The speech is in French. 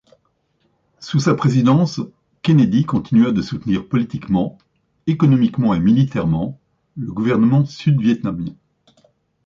Sous sa présidence, Kennedy continua de soutenir politiquement, économiquement et militairement le gouvernement sud-vietnamien.